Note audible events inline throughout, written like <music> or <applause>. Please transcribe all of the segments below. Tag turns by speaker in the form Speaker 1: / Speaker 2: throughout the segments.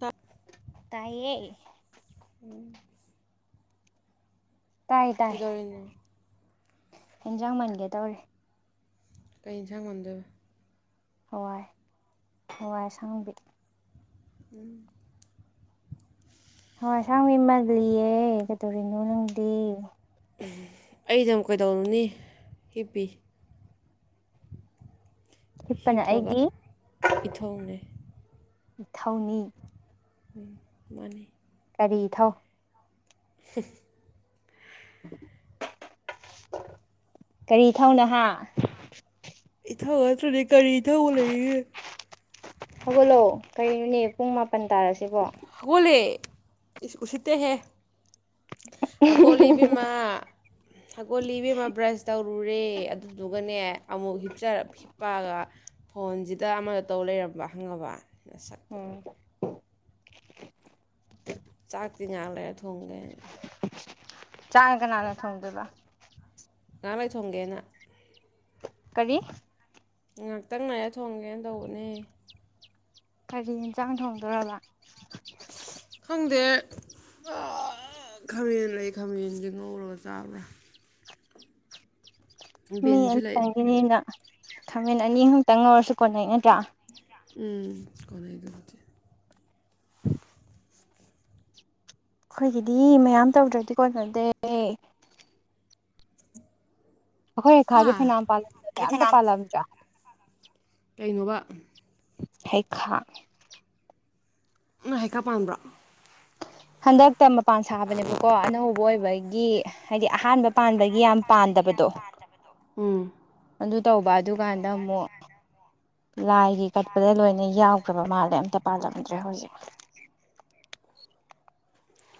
Speaker 1: ꯇ
Speaker 2: ꯇꯥꯏꯌꯦꯌꯦ
Speaker 1: ꯀꯩꯗꯧꯔꯤꯅꯣ
Speaker 2: ꯍꯦꯟꯖꯥꯡ ꯃꯟꯒꯦ ꯇꯧꯔꯤ
Speaker 1: ꯀꯩ ꯌꯦꯟꯁꯥꯡ ꯃꯟꯗꯣꯏꯕ
Speaker 2: ꯍꯋꯥꯏ ꯍꯋꯥꯏ ꯑꯁꯥꯡꯕꯤ
Speaker 1: ꯎꯝ
Speaker 2: ꯍꯋꯥꯏꯁꯥꯡꯕꯤ ꯃꯥꯜꯂꯤꯌꯦ ꯀꯩꯗꯧꯔꯤꯅꯣ ꯅꯡꯗꯤ
Speaker 1: ꯑꯩꯗꯨꯝ ꯀꯩꯗꯧꯔꯨꯅꯤ ꯍꯤꯞꯄꯤ
Speaker 2: ꯍꯤꯞꯄꯅ
Speaker 1: ꯍꯤꯞꯄꯒ
Speaker 2: ꯑꯩꯒꯤ
Speaker 1: ꯏꯊꯧꯅꯦ
Speaker 2: ꯅꯊꯧꯅꯤ
Speaker 1: ꯎꯝ ꯃꯥꯅꯤ
Speaker 2: ꯀꯔꯤ ꯏꯊꯧ
Speaker 1: ꯍꯝ
Speaker 2: <inaudible> ꯀꯔꯤ ꯊꯧꯅꯍꯥ
Speaker 1: <unintelligible> ꯀꯔꯤ ꯏꯊꯧꯕꯨ ꯂꯩꯔꯤ
Speaker 2: ꯍꯧꯒꯜꯂꯣ ꯀꯩꯅꯣꯅꯦ ꯄꯨꯡ ꯃꯥꯄꯟ ꯇꯥꯔꯁꯤꯕꯣ
Speaker 1: ꯒꯣꯂꯦ ꯏ ꯎ ꯎꯆꯁꯤꯇꯩ ꯍꯦ ꯍꯀꯣꯜ ꯂꯤꯕꯤꯃ ꯍꯀꯣꯜ ꯂꯤꯕꯤꯃ ꯕ꯭ꯔꯁ ꯇꯧꯔꯨꯔꯦ ꯑꯗꯨꯗꯨꯒꯅꯦ ꯑꯃꯨꯛꯤꯞ ꯍꯤꯞꯄꯒ ꯐꯣꯟꯁꯤꯗ ꯑꯃ ꯇꯧ ꯂꯩꯔꯕ꯭ꯔ ꯍꯪꯉꯕ ꯁꯛꯇꯗ
Speaker 2: ꯎꯝ
Speaker 1: ꯆꯥꯛ ꯇꯤꯡꯉꯥ ꯂꯩꯔ ꯊꯣꯡꯒꯦꯅ
Speaker 2: ꯆꯥꯥꯡ ꯀꯅꯥꯅ ꯊꯗꯨꯂ
Speaker 1: ꯉꯥꯡ ꯂꯩ ꯊꯣꯡꯒꯦꯅ
Speaker 2: ꯀꯔꯤ
Speaker 1: ꯉꯥꯏꯍꯥꯛꯇꯪ ꯉꯥꯏ ꯊꯣꯡꯒꯦꯅ ꯇꯧꯕꯅꯦ
Speaker 2: ꯀꯔꯤ ꯌꯦꯟꯁꯥꯡ ꯊꯣꯡꯗꯔꯕ
Speaker 1: ꯈꯪꯗꯦ ꯄꯨ ꯈꯥꯃꯦꯟ ꯂꯩ ꯈꯥꯃꯦꯟꯁꯦ ꯉꯧꯔꯣꯒ ꯆꯥꯕ꯭ꯔꯥ
Speaker 2: ꯃꯤ
Speaker 1: ꯕꯤꯟꯁꯨ ꯂꯩ
Speaker 2: ꯇꯪꯦꯅꯤꯅ ꯈꯥꯃꯦꯟ ꯑꯅꯤ ꯑꯨꯛꯇꯪ ꯉꯧꯔꯁꯨ ꯀꯣꯟꯅꯩ ꯅꯠꯇ꯭ꯔꯥ
Speaker 1: ꯎꯝ ꯀꯅꯥꯏꯗꯗꯤꯦ
Speaker 2: ꯑꯩꯈꯣꯏꯒꯤꯗꯤ ꯃꯌꯥꯝ ꯇꯧꯗ꯭ꯔꯗꯤ ꯀꯣꯟꯅꯗꯦ ꯑꯩꯈꯣꯏ
Speaker 1: ꯍꯥ
Speaker 2: ꯈꯥꯗꯦ ꯐꯅꯥꯥꯂꯝ ꯀ ꯑꯇ ꯄꯥꯜꯂꯝꯖꯥ <unintelligible>
Speaker 1: ꯀꯩꯅꯣꯕ
Speaker 2: ꯍꯩꯈꯥ
Speaker 1: ꯅ ꯍꯥꯏꯀꯥ ꯄꯥꯟꯕ꯭ꯔꯥ
Speaker 2: ꯍꯟꯗꯛꯇ ꯃꯄꯥꯟ ꯁꯥꯕꯅꯦꯕꯀꯣ ꯑꯅꯧꯕ ꯑꯣꯏꯕ ꯑꯩ ꯒꯤ ꯍꯥꯏꯗꯤ ꯑꯍꯥꯟꯕ ꯄꯥꯟꯕꯒꯤ ꯌꯥꯝ ꯄꯥꯟꯗꯕꯗꯣ
Speaker 1: ꯎꯝ
Speaker 2: ꯑꯗꯨ ꯇꯧꯕ ꯑꯗꯨꯀꯥꯟꯗ ꯑꯃꯨꯛ ꯂꯥꯏꯒꯤ ꯀꯠꯄꯗ ꯂꯣꯏꯅ ꯌꯥꯎꯈ꯭ꯔꯕ ꯃꯥꯜꯂꯦ ꯑꯝꯇ ꯄꯥꯜꯂꯝꯗ꯭ꯔꯦ ꯍꯧꯖꯤꯛ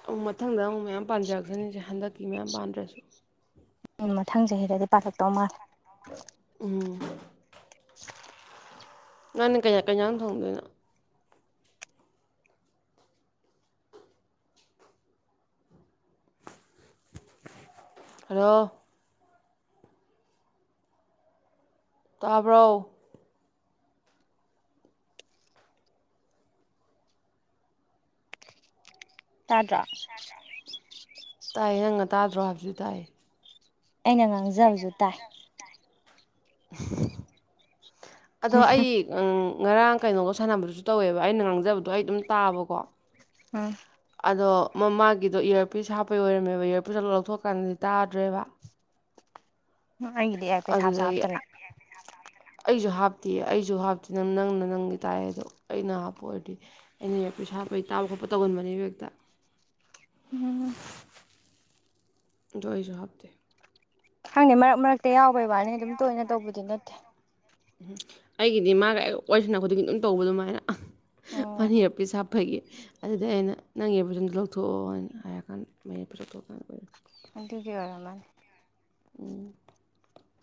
Speaker 1: ꯑꯃꯨ ꯃꯊꯪꯗ ꯑꯃꯨꯛ ꯃꯌꯥꯝ ꯄꯥꯟꯖꯔꯛꯁꯅꯤꯁꯦ ꯍꯟꯗꯛꯀꯤ ꯃꯌꯥꯝ ꯄꯥꯟꯗ꯭ꯔꯁꯨ
Speaker 2: ꯎꯝ ꯃꯊꯪ ꯆꯍꯤꯗꯗꯤ ꯄꯥꯈꯛꯇꯧ ꯃꯥꯜꯂꯦ
Speaker 1: ꯎꯝ
Speaker 2: <unintelligible>
Speaker 1: ꯅꯪꯅ ꯀꯩꯌꯥ ꯀꯩꯌꯥꯅ ꯊꯣꯡꯗꯣꯏꯅꯣ ꯔ ꯇꯥꯕ꯭ꯔꯣ
Speaker 2: ꯇꯥꯗ꯭ꯔꯥ
Speaker 1: ꯇꯥꯏꯌꯦ ꯑꯪ ꯇꯥꯗ꯭ꯔꯣ ꯍꯥꯏꯕꯁꯨ ꯇꯥꯏ
Speaker 2: ꯑꯩꯅ ꯉꯥꯡꯖꯕꯁꯨ ꯇꯥꯏ
Speaker 1: <unintelligible> ꯑꯗꯣ ꯑꯩ ꯉꯔꯥꯡ ꯀꯩꯅꯣꯒ ꯁꯥꯟꯅꯕꯗꯨꯁꯨ ꯇꯧꯋꯦꯕ ꯑꯩꯅ ꯉꯥꯡꯖꯕꯗꯣ ꯑꯩ ꯑꯗꯨꯝ ꯇꯥꯕꯀꯣ
Speaker 2: ꯑꯥ
Speaker 1: ꯑꯗꯣ ꯃꯃꯥꯒꯤꯗꯣ ꯏꯌꯔꯄꯤꯁ ꯍꯥꯞꯄꯩ ꯑꯣꯏꯔꯝꯃꯦꯕ ꯏꯌꯔꯄꯤꯁ ꯑꯗꯨ ꯂꯧꯊꯣꯛꯀꯥꯟꯗꯗꯤ ꯇꯥꯗ꯭ꯔꯦꯕ
Speaker 2: ꯎꯝ ꯑꯩꯒꯤꯗꯤ ꯑꯦꯔ ꯄꯤꯁ ꯍꯥꯞꯁꯨ ꯍꯥꯞꯇꯅ
Speaker 1: ꯑꯩꯖꯨ ꯍꯥꯞꯇꯤꯌꯦ ꯑꯩꯖꯨ ꯍꯥꯞꯇꯦ ꯅꯪ ꯅꯪꯅ ꯅꯪꯒꯤ ꯇꯥꯏ ꯑꯗꯣ ꯑꯩꯅ ꯍꯥꯞꯄ ꯑꯣꯏꯔꯗꯤ ꯑꯩꯅ ꯏꯔꯄꯤꯁ ꯍꯥꯞꯄꯩ ꯇꯥꯕ ꯈꯣꯠꯄ ꯇꯧꯒꯟꯕꯅꯦꯕ ꯍꯦꯛꯇ
Speaker 2: ꯎꯝ
Speaker 1: ꯗꯣ ꯑꯩꯖꯨ ꯍꯥꯞꯇꯦ
Speaker 2: ꯈꯪꯗꯦ ꯃꯥꯔꯝ ꯃꯔꯛꯇ ꯌꯥꯎꯕꯩ ꯋꯥꯅꯦ ꯑꯗꯨꯝ ꯇꯣꯏꯅ ꯇꯧꯕꯗꯤ ꯅꯠꯇꯦ
Speaker 1: ꯎꯝ ꯑꯩꯒꯤꯗꯤ ꯃꯥꯒ ꯍꯦꯛ ꯋꯥꯔꯤꯁꯥꯟꯅ ꯈꯨꯗꯤꯡꯒꯤ ꯑꯗꯨꯝ ꯇꯧꯕ ꯑꯗꯨꯃꯥꯏꯅ ꯃꯅꯥ
Speaker 2: ꯑꯣ
Speaker 1: ꯏꯔꯄꯤꯁ ꯍꯥꯞꯄꯒꯤ ꯑꯗꯨꯗꯩ ꯑꯩꯅ ꯅꯪꯒꯤꯏꯌꯔꯄꯤꯁꯗꯣ ꯑꯝ ꯂꯧꯊꯣꯛꯑꯣ ꯅ ꯍꯥꯏꯅ ꯍꯥꯏꯔ ꯀꯥꯟꯗ ꯃꯌꯦꯛꯦꯞꯄ ꯂꯧꯊꯣꯛꯑꯀꯥꯟꯗ ꯑꯣꯏꯔꯦ
Speaker 2: ꯑꯗꯨꯒꯤ ꯑꯣꯏꯔꯝꯃꯥꯅꯤ
Speaker 1: ꯎꯝ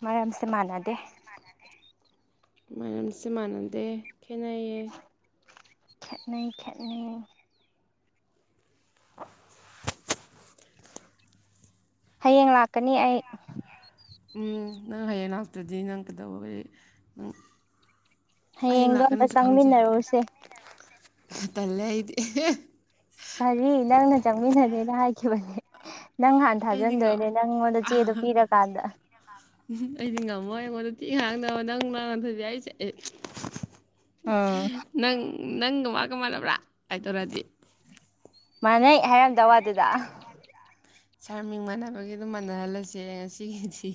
Speaker 2: ꯃꯔꯝꯁ ꯁꯦ ꯃꯥꯟꯅꯗꯦ
Speaker 1: ꯃꯔꯝꯁꯦ ꯃꯥꯟꯅꯗꯦ ꯈꯦꯅꯩꯌꯦ
Speaker 2: ꯈꯦꯠꯅꯩ ꯈꯦꯠꯅꯩ ꯍꯌꯦꯡ ꯂꯥꯛꯀꯅꯤ ꯑꯩ
Speaker 1: ꯎꯝ ꯅꯪ ꯍꯌꯦꯡ ꯂꯥꯛꯇ꯭ꯔꯗꯤ ꯅꯪ ꯀꯩꯗꯧꯕꯩ
Speaker 2: ꯍꯌꯦꯡꯗꯣ ꯑꯝꯇ ꯆꯪꯃꯤꯟꯅꯔꯨꯁꯦ
Speaker 1: ꯇꯜꯂꯦ ꯑꯩꯗꯤ ꯑ ꯦꯍꯦ
Speaker 2: ꯀꯦꯕꯜ <unintelligible> ꯅꯪ ꯍꯟꯅ
Speaker 1: ꯑꯩꯗꯤ ꯉꯝ
Speaker 2: ꯊꯥꯖꯟꯗꯣꯏꯅꯦ ꯅꯪꯉꯣꯟꯗ ꯆꯦꯗꯣ ꯄꯤꯔꯀꯥꯟꯗ
Speaker 1: ꯑꯩꯗꯤ ꯉꯝꯃꯣꯏ ꯑꯩꯉꯣꯟꯗ ꯊꯤ ꯉꯥꯡꯅꯕ ꯅꯪꯂꯥ ꯋꯥꯟꯊꯣꯏꯕꯤ ꯍꯥꯏꯁꯦ ꯅꯪ ꯅꯪꯒ ꯃꯥꯒ ꯃꯥꯟꯅꯕ꯭ꯔꯥ ꯀꯥꯏ ꯇꯧꯔꯗꯤ
Speaker 2: ꯃꯥꯅꯩ ꯍꯥꯏꯔꯝꯗꯧꯕ ꯑꯗꯨꯗ
Speaker 1: ꯁꯔ ꯃꯤꯡ ꯃꯥꯟꯅꯕꯒꯤ ꯑꯗꯨꯝ ꯃꯥꯟꯅꯍꯜꯂꯖꯦ ꯉꯁꯤꯒꯤꯗꯤ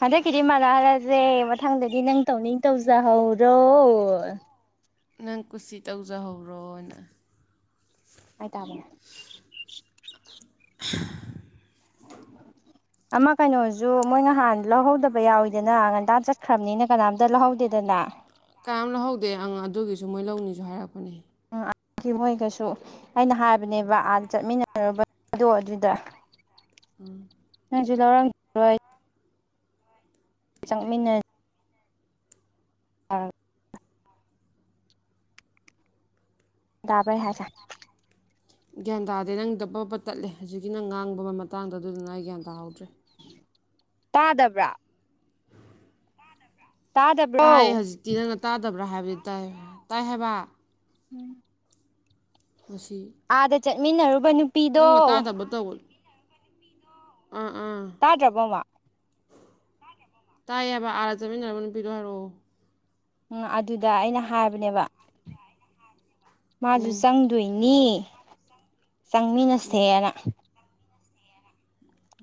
Speaker 2: ꯍꯟꯗꯛꯀꯤꯗꯤ ꯃꯥꯟꯅꯍꯜꯂꯖꯦ ꯃꯊꯪꯗꯗꯤ ꯅꯪ ꯇꯧꯅꯤꯡ ꯇꯧꯖꯍꯧꯔꯣ
Speaker 1: ꯅꯪ ꯀꯨꯁꯤ ꯇꯧꯖꯍꯧꯔꯣꯅ
Speaker 2: ꯍꯥꯏ ꯇꯥꯕꯅꯦ
Speaker 1: <unintelligible>
Speaker 2: ꯑꯃ ꯀꯩꯅꯣꯖꯨ ꯃꯣꯏ ꯅꯍꯥꯟ ꯂꯧꯍꯧꯗꯕ ꯌꯥꯎꯋꯤꯗꯅ ꯉꯟꯇꯥ ꯆꯠꯈ꯭ꯔꯕꯅꯤꯅ ꯀꯅꯥꯝꯇ ꯂꯧꯍꯧꯗꯦꯗꯅ
Speaker 1: ꯗꯨ ꯃꯣꯏ ꯂꯧꯅꯤꯖꯨ ꯍꯥꯏꯔꯛꯄꯅꯦ
Speaker 2: ꯃꯣꯏꯀꯩꯁꯨ ꯑꯩꯅ ꯍꯥꯏꯕꯅꯦꯕ ꯑꯥ ꯆꯠꯃꯤꯟꯅꯔꯨꯕꯗꯣ ꯑꯗꯨꯗ
Speaker 1: ꯎꯝ
Speaker 2: ꯅꯪꯖꯨ ꯂꯧꯎꯔꯝ ꯔꯣꯏ ꯆꯪꯃꯤꯟꯅ ꯑꯥ ꯇꯥꯕꯔꯥ ꯑꯩ ꯍꯥꯏꯁꯦ
Speaker 1: ꯒ꯭ꯌꯥꯟ ꯇꯥꯗꯦ ꯅꯪꯒꯤꯗꯣ ꯕꯕꯠ ꯇꯠꯂꯦ ꯍꯧꯖꯤꯛꯀꯤ ꯅꯪ ꯉꯥꯡꯕ ꯃꯇꯥꯡꯗꯣ ꯑꯗꯨꯗꯨꯅ ꯑꯩ ꯒ꯭ꯌꯥꯟ ꯇꯥꯍꯧꯗ꯭ꯔꯦ
Speaker 2: ꯇꯥꯗꯕ꯭ꯔꯥ
Speaker 1: ꯇꯥꯏ
Speaker 2: ꯇꯥꯗꯕ꯭ꯔꯣ
Speaker 1: ꯍꯧꯖꯤꯛꯇꯤ ꯅꯪꯅ ꯇꯥꯗꯕ꯭ꯔꯥ ꯍꯥꯏꯕꯗꯨ ꯇꯥꯏ ꯇꯥꯏ ꯍꯥꯏꯕ
Speaker 2: ꯎꯝ
Speaker 1: ꯃꯁꯤ
Speaker 2: ꯆꯠꯃꯤꯟꯅꯔꯨ ꯕ ꯅꯨꯄꯤꯗꯣ
Speaker 1: ꯌꯥ ꯐ ꯃꯤꯅꯣ <inaudible>
Speaker 2: ꯇꯥ ꯗꯔꯥꯕꯣꯕꯥ
Speaker 1: ꯇꯥꯏꯌꯦꯕ ꯑꯥꯗ ꯆꯠꯃꯤꯟꯅꯕ ꯅꯨꯄꯤꯗꯣ ꯍꯥꯏꯔꯛꯑꯣ
Speaker 2: ꯎ ꯑꯗꯨꯗ ꯑꯩꯅ ꯍꯥꯏꯕꯅꯦꯕ ꯃꯥꯖꯨ
Speaker 1: ꯎꯝ
Speaker 2: ꯆꯪꯗꯨꯏꯅꯤ ꯅꯤ ꯆꯪꯃꯤꯟꯅꯁꯦꯅ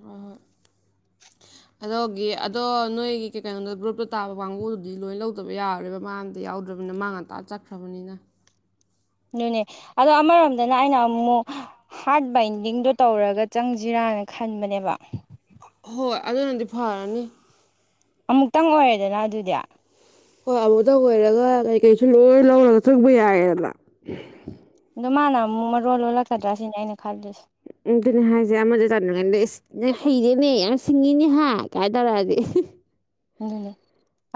Speaker 1: ꯍꯣꯏ ꯍꯣꯏ ꯑꯗꯨꯒꯤ ꯑꯗꯣ ꯅꯣꯏꯒꯤ ꯀꯩ ꯀꯩꯅꯣꯗ ꯒ꯭ꯔꯨꯞꯇ ꯇꯥꯕ ꯀꯥꯡꯕꯨꯗꯨꯗꯤ ꯂꯣꯏ ꯂꯧꯗꯕ ꯌꯥꯔꯥ ꯔꯣꯏꯕ ꯃꯥ ꯑꯝꯇ ꯌꯥꯎꯗ꯭ꯔꯕꯅꯤꯅ ꯃꯥ ꯉꯥꯟꯇꯥ ꯆꯠꯈ꯭ꯔꯕꯅꯤꯅ
Speaker 2: ꯑꯗꯨꯅꯦ ꯑꯗꯣ ꯑꯃꯔꯣꯝꯗꯅ ꯑꯩꯅ ꯑꯃꯨꯛ ꯍꯥꯔꯠ ꯕꯥꯏꯟꯗꯤꯡꯗꯣ ꯇꯧꯔꯒ ꯆꯪꯁꯤꯔꯅ ꯈꯟꯕꯅꯦꯕ
Speaker 1: ꯍꯣꯏ ꯑꯗꯨꯅꯗꯤ ꯐꯔꯅꯤ
Speaker 2: ꯑꯃꯨꯛꯇꯪ ꯑꯣꯏꯔꯦꯗꯅ ꯑꯗꯨꯗꯤ
Speaker 1: ꯍꯣꯏ ꯑꯃꯨꯇ ꯑꯣꯏꯔꯒ ꯀꯩꯀꯩꯁꯨ ꯂꯣꯏ ꯂꯧꯔꯒ ꯆꯪꯕ ꯌꯥꯔꯦꯗꯅ
Speaker 2: ꯑꯗꯣ ꯃꯥꯅ ꯑꯃꯨꯛ ꯃꯔꯣꯟ ꯂꯣꯜꯂꯛꯀꯗ꯭ꯔꯥ ꯁꯤꯅꯦ ꯑꯩꯅ ꯈꯜꯂꯁꯦ
Speaker 1: ꯎ ꯑꯗꯨꯅꯦ ꯍꯥꯏꯁꯦ ꯑꯃꯗ ꯆꯥꯅꯤꯡꯉꯗ <inaudible> ꯍꯩꯔꯦꯅꯦ ꯌꯥꯝ ꯁꯤꯡꯉꯤꯅꯦ ꯍꯥꯏ ꯀꯥꯏꯅ ꯇꯧꯔꯛꯑꯗꯤ
Speaker 2: ꯅꯦ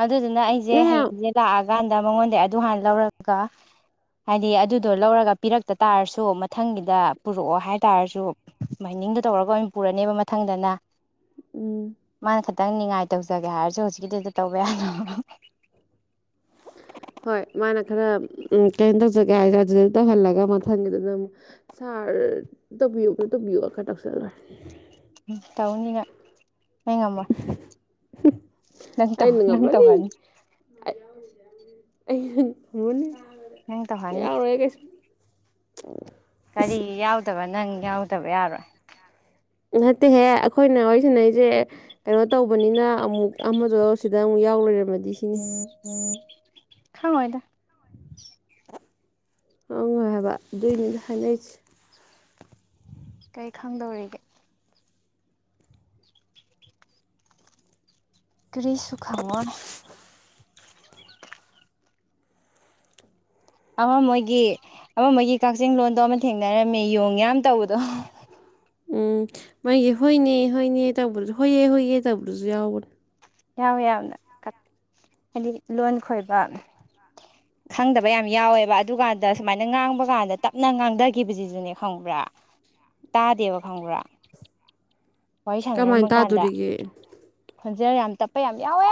Speaker 2: ꯑꯗꯨꯗꯨꯅ ꯑꯩꯁꯦ
Speaker 1: ꯅꯪ ꯌꯥꯝ
Speaker 2: ꯍꯌꯦꯡꯁꯦ ꯂꯥꯛꯑꯒꯦ ꯀꯥꯟꯗ ꯃꯉꯣꯟꯗ ꯑꯗꯨ ꯍꯥꯟꯅ ꯂꯧꯔꯒ ꯍꯥꯏꯗꯤ ꯑꯗꯨꯗꯣ ꯂꯧꯔꯒ ꯄꯤꯔꯛꯇ ꯇꯥꯔꯁꯨ ꯃꯊꯪꯒꯤꯗ ꯄꯨꯔꯛꯑꯣ ꯍꯥꯏꯇꯥꯔꯁꯨ <unintelligible> ꯗꯣ ꯇꯧꯔꯒ ꯑꯣꯏꯅ ꯄꯨꯔꯅꯦꯕ ꯃꯊꯪꯗꯅ
Speaker 1: ꯎꯝ
Speaker 2: ꯃꯥꯅ ꯈꯤꯇꯪ ꯅꯤꯉꯥꯏ ꯇꯧꯖꯒꯦ ꯍꯥꯏꯔꯦ ꯍꯣ ꯍꯧꯖꯤꯛꯀꯤꯗꯤꯗ ꯇꯧꯕ ꯌꯥꯅꯨ
Speaker 1: ꯍꯣꯏ ꯃꯥꯅ ꯈꯔ ꯀꯩꯅꯣ ꯇꯧꯖꯒꯦ ꯍꯥꯏꯁꯔꯦ ꯑꯗꯨꯗ ꯇꯧꯍꯜꯂꯒ ꯃꯊꯪꯒꯤꯗꯨꯅ ꯑꯃꯨꯛ ꯁꯥꯔ ꯇꯧꯕꯤꯌꯨꯣ ꯇꯧꯕꯤꯌꯨ ꯈꯔ ꯇꯧꯁꯤꯂꯔꯦ
Speaker 2: ꯇꯥꯎꯟꯅ ꯍꯉꯃ
Speaker 1: <inaudible> ꯑꯅꯤꯡ ꯉꯝꯕꯅꯤ ꯑ ꯑ ꯐꯃꯣꯅꯤ
Speaker 2: ꯍ ꯇꯍꯥꯏ
Speaker 1: ꯑ
Speaker 2: ꯀꯔꯤ ꯌꯥꯎꯗꯕ ꯅꯪ ꯌꯥꯎꯗꯕ ꯌꯥꯔꯣꯏ
Speaker 1: ꯅꯠꯇꯦꯍꯦ ꯑꯩꯈꯣꯏꯅ ꯋꯥꯔꯤ ꯁꯅꯩꯁꯦ ꯀꯩꯅꯣ ꯇꯧꯕꯅꯤꯅ ꯑꯃꯨꯛ ꯑꯃꯗꯣ ꯁꯤꯗ ꯑꯃꯨꯛ ꯌꯥꯎ ꯂꯣꯏꯔꯝꯃꯗꯤ ꯁꯤꯅꯤ
Speaker 2: ꯈꯥꯉꯣꯏꯗ
Speaker 1: ꯍꯪꯉꯣꯏ ꯍꯥꯏꯕ ꯑꯗꯨꯏ ꯃꯤꯅꯤꯠ ꯍꯥꯏꯅꯩꯁꯦ
Speaker 2: ꯀꯔꯤ ꯈꯪꯗꯧꯔꯤꯒꯦ <inaudible> ꯀꯔꯤꯁꯨꯨ ꯈꯥ ꯃꯣꯣꯔ ꯑꯃ ꯃꯣꯏꯒꯤ ꯑꯃ ꯃꯣꯏꯒꯤ ꯀꯛꯆꯤꯡ ꯂꯣꯗꯣ ꯑꯃ ꯊꯦꯡꯅꯔꯝꯃꯤ ꯌꯣꯡ ꯌꯥꯝ ꯇꯧꯕꯗꯣ
Speaker 1: ꯎꯝ ꯃꯥꯒꯤ ꯍꯣꯏꯅꯦ ꯍꯣꯏꯅꯦ ꯇꯧꯕꯗꯁꯨ ꯍꯣꯏꯑꯦ ꯍꯣꯏꯏꯌꯦꯦ ꯇꯧꯕꯗꯁꯨ ꯌꯥꯎꯕꯅꯦ
Speaker 2: ꯌꯥꯎꯋꯦ ꯌꯥꯝꯅ ꯍꯥꯏꯗꯤ ꯂꯣꯟ ꯈꯣꯏꯕ ꯈꯪꯗꯕ ꯌꯥꯝ ꯌꯥꯎꯋꯦꯕ ꯑꯗꯨꯀꯥꯟꯗ ꯁꯨꯃꯥꯏꯅ ꯉꯥꯡꯕ ꯀꯥꯟꯗ ꯇꯞꯅ ꯉꯥꯡꯊꯈꯤꯕꯁꯤꯁꯨꯅꯦ ꯈꯪꯕ꯭ꯔꯥ ꯇꯥꯗꯦꯕ ꯈꯪꯕ꯭ꯔꯥ ꯋꯥꯔꯤ
Speaker 1: ꯀꯃꯥꯏꯅ ꯇꯥꯗꯣꯔꯤꯒꯦ
Speaker 2: ꯐꯣꯟꯖꯦꯜ ꯌꯥꯝ ꯇꯞꯄ ꯌꯥꯝ ꯌꯥꯎꯋꯦ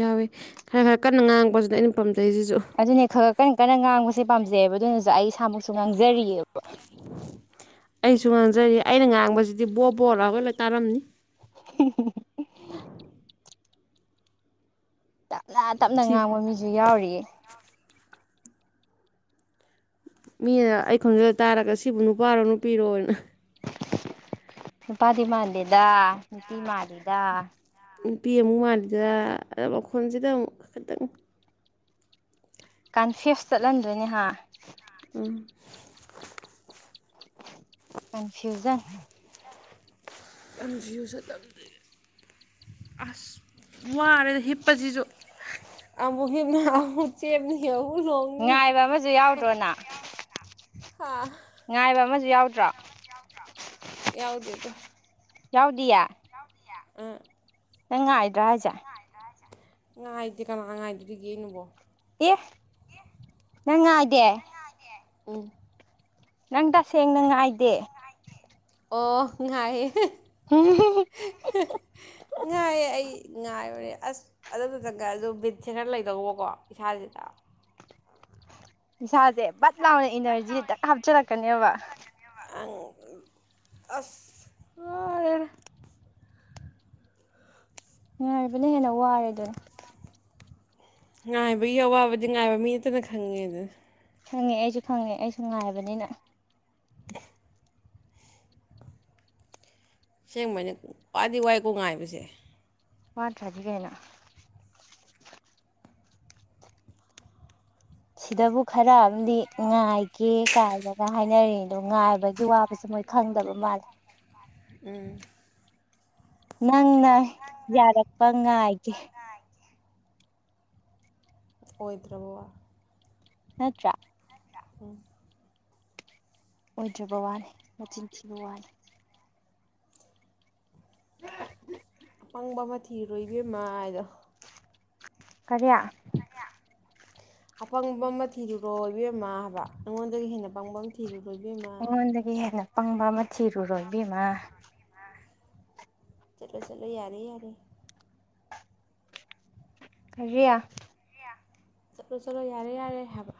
Speaker 1: ꯌꯥꯎꯋꯤ ꯈꯔ ꯈꯔ ꯀꯟꯅ ꯉꯥꯡꯕꯁꯤꯁꯤꯗ ꯑꯩꯅ ꯇꯖꯁꯨ
Speaker 2: ꯑꯗꯨꯅꯦ ꯈꯔ ꯀꯟꯅ ꯀꯟꯅ ꯉꯥꯡꯕꯁꯦ ꯄꯥꯝꯖꯩꯑꯕ ꯑꯗꯨꯅꯁꯨ ꯑꯩ ꯏꯁꯥꯃꯛꯁꯨ ꯉꯥꯡꯖꯔꯤꯑꯕ
Speaker 1: ꯑꯩꯁꯨ ꯉꯥꯡꯖꯔꯤ ꯑꯩꯅ ꯉꯥꯡꯕꯁꯤꯗꯤ ꯕꯣꯕꯣꯔꯣꯔ ꯍꯣꯏꯂ ꯇꯥꯔꯝꯅꯤ
Speaker 2: <inaudible> ꯇꯞꯅ ꯇꯞꯅ
Speaker 1: ꯁꯤ
Speaker 2: ꯉꯥꯡꯕ ꯃꯤꯁꯨ ꯌꯥꯎꯔꯤꯌꯦ
Speaker 1: ꯃꯤꯅ ꯑꯩ ꯈꯪꯖꯕ ꯇꯥꯔꯒ ꯁꯤꯕꯨ ꯅꯨꯄꯥꯔꯣ ꯅꯨꯄꯤꯔꯣ ꯑꯣꯏꯅ
Speaker 2: ꯅꯨꯄꯥꯗꯤ ꯃꯥꯥꯟꯜꯂꯤꯦꯗ ꯅꯨꯄꯤ ꯃꯥꯜꯂꯤꯦꯗ
Speaker 1: ꯅꯨꯄꯤ ꯑꯃꯨꯛ ꯃꯥꯜꯂꯤꯗꯨꯗ ꯑ ꯃꯈꯣꯟꯁꯤꯗ ꯑꯃꯨꯛ ꯈꯤꯇꯪ
Speaker 2: ꯀꯟꯐ꯭ꯌꯨꯁ ꯆꯠꯍꯟꯗ꯭ꯔꯣꯏꯅꯦꯍ
Speaker 1: ꯎꯝ
Speaker 2: ꯀꯟꯐ꯭ꯌꯨꯖꯟ
Speaker 1: ꯇꯁꯤꯨ ꯑꯁ ꯋꯥꯔꯦ ꯍꯤꯞꯄꯁꯤꯁꯨ ꯑꯃꯨꯛ ꯍꯤꯞꯅ ꯑꯃꯨꯛ ꯆꯦꯅ ꯍꯎꯨ
Speaker 2: ꯉꯥꯏꯕ ꯑꯃꯁꯨ ꯌꯥꯎꯗ꯭ꯔꯣꯅ
Speaker 1: ꯑꯥ
Speaker 2: ꯉꯥꯏꯕ ꯑꯃꯁꯨ ꯌꯥꯎꯗ꯭ꯔꯥ
Speaker 1: ꯌꯥꯎꯗꯗ
Speaker 2: ꯌꯥꯎꯗꯌꯥ
Speaker 1: ꯎꯝ
Speaker 2: ꯅꯪꯥꯏ ꯔꯥꯖꯥ
Speaker 1: ꯉꯥꯏꯗꯤꯦ ꯀꯅꯥ ꯉꯥꯏꯗꯨꯗꯤ ꯌꯦꯦ ꯅꯕꯣ
Speaker 2: ꯑꯦ ꯅꯪ ꯏꯗꯦ
Speaker 1: ꯎꯝ
Speaker 2: ꯅꯪ ꯇꯁꯦꯡꯅꯉꯥꯏꯗꯦ
Speaker 1: ꯑꯣ ꯉꯥꯏ ꯉꯏ ꯑꯩ ꯉꯥꯏꯕꯅꯦ ꯑꯁ ꯑꯗꯨꯝꯇꯇꯪꯒ ꯑꯗꯨ ꯕꯤꯠꯁꯦ ꯈꯔ ꯂꯩꯗꯧꯕꯀꯣ ꯏꯁꯥꯁꯤꯗ
Speaker 2: ꯁꯥ ꯦ ꯕꯠ ꯂꯥꯎꯅ ꯏꯅꯔꯖꯤ ꯍꯦꯛꯇꯛ ꯍꯥꯞꯆꯤꯂꯛꯀꯅꯦꯕ
Speaker 1: ꯑꯅ
Speaker 2: ꯉꯉꯥꯏꯕꯅ ꯍꯦꯟꯅ ꯋꯥꯔꯦ ꯑꯗꯨꯅ
Speaker 1: ꯉꯥꯏꯕꯒꯤ ꯑꯋꯥꯕꯗꯤ ꯉꯥꯏꯕ ꯃꯤ ꯅꯠꯇꯅ ꯈꯪꯉꯦꯗ
Speaker 2: ꯈꯪꯉꯦ ꯑꯩꯁꯨ ꯈꯪꯉꯦ ꯑꯩꯁꯨ ꯉꯥꯏꯕꯅꯤꯅ
Speaker 1: <inaudible> ꯁꯦꯡꯕꯅꯤ ꯈ꯭ꯋꯥꯏꯗꯤ ꯋꯥꯏ ꯀꯣ ꯉꯥꯏꯕꯁꯦ
Speaker 2: ꯃꯥꯟ꯭ꯔꯥꯖꯤꯒ ꯍ ꯁꯤꯗꯕꯨ ꯈꯔ ꯑꯃꯗꯤ ꯉꯥꯏꯒꯦ ꯀꯥꯏꯗꯒ ꯍꯥꯏꯅꯔꯤ ꯑꯗꯣ ꯉꯥꯏꯕꯒꯤ ꯋꯥꯕꯁꯦ ꯃꯣꯏ ꯈꯪꯗꯕ ꯃꯥꯜꯂꯦ
Speaker 1: ꯎꯝ
Speaker 2: ꯅꯪꯅ ꯌꯥꯔꯛꯄ ꯉꯥꯏꯒꯦ
Speaker 1: ꯑꯣꯏꯗ꯭ꯔꯕꯕ
Speaker 2: ꯍꯠꯇ꯭ꯔ
Speaker 1: ꯎꯝ
Speaker 2: ꯎꯖꯕꯕꯥꯅꯤ ꯆꯤꯡꯆꯤꯕꯕꯥꯅꯤ
Speaker 1: ꯑꯄꯪꯕ ꯑꯃꯊꯤꯔꯣꯏꯕꯤꯃ ꯑꯗꯣ
Speaker 2: ꯀꯔꯤꯌꯥ
Speaker 1: ꯑꯄꯪꯕ ꯑꯃ ꯊꯤꯔꯨꯔꯣ ꯏꯕꯦꯝꯃ ꯍꯥꯏꯕ ꯑꯩꯉꯣꯟꯗꯒꯤ ꯍꯦꯟꯅ ꯑꯄꯪꯕ ꯑꯃ ꯊꯤꯔꯨꯔ
Speaker 2: ꯎꯗꯗꯒꯤ ꯍꯂ ꯄꯪꯕ ꯃꯊꯤꯔꯨꯔꯣꯏꯕꯤꯃ
Speaker 1: ꯆꯂꯣ ꯆꯂꯣ ꯌꯥꯔꯦ ꯌꯥꯔꯦ
Speaker 2: ꯀꯔꯤꯌꯥ
Speaker 1: ꯆꯠꯂꯣ ꯆꯠꯂꯣ ꯌꯥꯔꯦ ꯌꯥꯔꯦ ꯍꯥꯏꯕ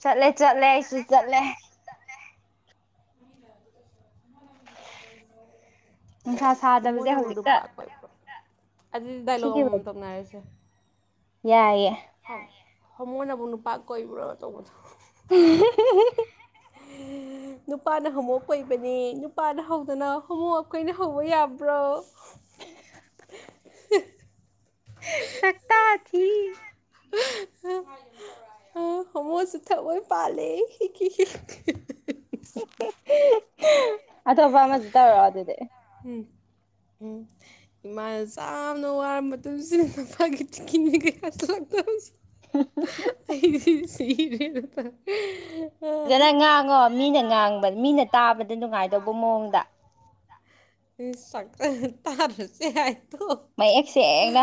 Speaker 2: ꯆꯂꯦ ꯆꯂꯦꯁꯨ ꯆꯂꯦ
Speaker 1: <unintelligible>
Speaker 2: ꯅꯨꯡꯁꯥ ꯁꯥꯗꯕꯁꯦ
Speaker 1: ꯍꯣꯃꯣꯅꯕꯨ
Speaker 2: ꯍꯧꯖꯤꯛꯇ
Speaker 1: ꯅꯨꯄꯥ ꯀꯣꯏꯕ꯭ꯔꯣ ꯑꯗꯨꯗꯤ ꯗꯥꯏꯂꯣꯛ ꯑꯃꯃꯝ ꯇꯧꯅꯔꯁꯦ
Speaker 2: ꯌꯥꯏꯑꯌꯦ
Speaker 1: ꯍ ꯍꯃꯣꯏꯅꯕꯨ ꯅꯨꯄꯥ ꯀꯣꯏꯕ꯭ꯔꯣ ꯇꯧꯕꯗꯣ
Speaker 2: ꯑꯦ ꯍꯦ ꯍꯦ
Speaker 1: ꯅꯨꯄꯥꯅ ꯍꯣꯃꯣꯛꯞ ꯀꯣꯏꯕꯅꯤ ꯅꯨꯄꯥꯅ ꯍꯧꯗꯅ ꯍꯣꯃꯣꯛ ꯑꯩꯈꯣꯏꯅ ꯍꯧꯕ ꯌꯥꯕ꯭ꯔꯣ
Speaker 2: <unintelligible>
Speaker 1: <inaudible>
Speaker 2: ꯁꯛꯇꯥ ꯊ <unintelligible>
Speaker 1: ꯎ ꯍꯃꯣꯁꯨ ꯊꯑꯣꯏ ꯄꯥꯜꯂꯦ
Speaker 2: <inaudible> ꯑꯇꯣꯞꯄ ꯑꯃꯁꯨ ꯇꯧꯔꯣ ꯑꯗꯨꯗꯤ
Speaker 1: ꯎ ꯏꯃꯥꯅ ꯌꯥꯝꯅ ꯋꯥꯔꯕ ꯃꯇꯝꯁꯤꯗ ꯅꯨꯄꯥꯒꯤ ꯇꯤꯀꯤꯅꯤ ꯀꯌꯥ ꯁꯧ
Speaker 2: <inaudible>
Speaker 1: ꯁꯤꯕꯅꯠꯇ
Speaker 2: ꯐꯖꯅ ꯉꯥꯡꯉꯣ ꯃꯤꯅ ꯉꯥꯡꯕ ꯃꯤꯅ ꯇꯥꯕꯗ ꯅꯨꯡꯉꯥꯏꯇ ꯗꯕꯨ ꯃꯨꯗ
Speaker 1: ꯁ ꯇꯥꯔꯁꯦ ꯍꯥꯏ
Speaker 2: ꯃꯌꯦꯛꯁꯦ ꯑꯩꯅ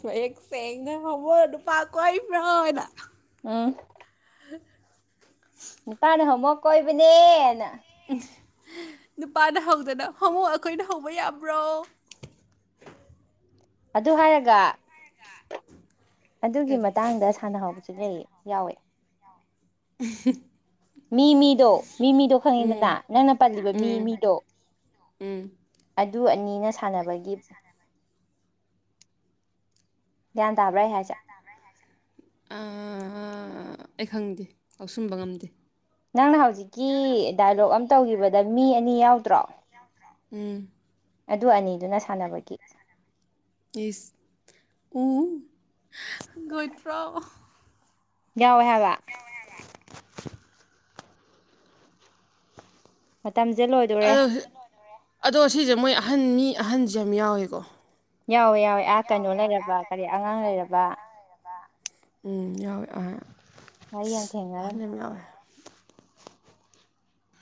Speaker 1: ꯁꯨ ꯍꯌꯦꯛ ꯁꯦꯡꯅ ꯍꯃꯣ ꯅꯨꯄꯥ ꯀꯕ꯭ꯔꯥꯅ
Speaker 2: ꯎꯝ
Speaker 1: ꯍ
Speaker 2: ꯅꯨꯄꯥꯅ ꯍꯣꯃꯣ ꯀꯣꯏꯕꯅꯦꯅ
Speaker 1: ꯅꯨꯄꯥꯅ ꯍꯧꯗꯅ ꯍꯣꯃꯛ ꯑꯩꯈꯣꯏꯅ ꯍꯧꯕ ꯌꯥꯕ꯭ꯔꯣ
Speaker 2: ꯑꯗꯨ ꯍꯥꯏꯔꯒ ꯑꯗꯨꯒꯤ
Speaker 1: ꯀꯔꯤ
Speaker 2: ꯃꯇꯥꯡꯗ ꯁꯥꯟꯅꯍꯧꯕꯁꯨ ꯂꯩ ꯌꯥꯎꯋꯦ
Speaker 1: <inaudible>
Speaker 2: ꯃꯤꯃꯤꯗꯣ ꯃꯤ ꯃꯤꯗꯣ ꯈꯪꯉꯤꯗꯅ ꯅꯪꯅ ꯄꯜꯂꯤꯕ ꯃꯤ ꯃꯤꯗꯣ
Speaker 1: ꯎꯝ
Speaker 2: ꯑꯗꯨ ꯑꯅꯤꯅ ꯁꯥꯟꯅꯕꯒꯤ ꯒ꯭ꯌꯥꯟ ꯇꯥꯕ꯭ꯔꯥ ꯑꯩ ꯍꯥꯏꯁꯠ
Speaker 1: ꯑꯩ ꯈꯪꯗꯦ ꯂꯧꯥꯎꯁꯟꯕ ꯉꯝꯗꯦ
Speaker 2: ꯅꯪꯅ ꯍꯧꯖꯤꯛꯀꯤ ꯗꯥꯏꯂꯣꯛ ꯑꯃ ꯇꯧꯈꯤꯕꯗ ꯃꯤ ꯑꯅꯤ ꯌꯥꯎꯗ꯭ꯔꯣ
Speaker 1: ꯎꯝ
Speaker 2: ꯑꯗꯨ ꯑꯅꯤꯗꯨꯅ ꯁꯥꯟꯅꯕꯒꯤ
Speaker 1: ꯁ ꯎ ꯣꯏꯇ꯭ꯔꯣ
Speaker 2: ꯌꯥꯋ ꯍꯥꯏꯕ ꯃꯇꯝꯁꯦ ꯂꯣꯏꯗꯣꯔꯦ
Speaker 1: ꯑꯗꯣ ꯑꯗꯣ ꯁꯤꯁꯦ ꯃꯣꯏ ꯑꯍꯟ ꯃꯤ ꯑꯍꯟꯁ ꯌꯥꯝ ꯌꯥꯎꯏꯀꯣ
Speaker 2: ꯌꯥꯎꯋꯦ ꯌꯥꯎꯋꯦ ꯑꯥ ꯀꯩꯅꯣ ꯂꯩꯔꯕ ꯀꯔꯤ ꯑꯉꯥꯡ ꯂꯩꯔꯕ
Speaker 1: ꯎꯝ ꯌꯥꯎꯋꯍ
Speaker 2: ꯃꯔꯤ ꯌꯥꯝ ꯊꯦꯡꯅꯔꯝ